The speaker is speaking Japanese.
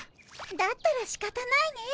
だったらしかたないね。